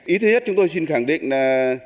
ý thứ nhất chúng tôi xin khẳng định là